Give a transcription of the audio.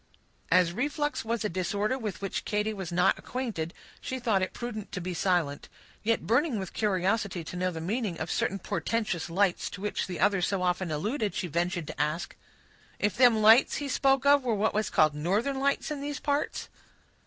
As reflux was a disorder with which Katy was not acquainted, she thought it prudent to be silent; yet burning with curiosity to know the meaning of certain portentous lights to which the other so often alluded, she ventured to ask,— "If them lights he spoke of were what was called northern lights in these parts?"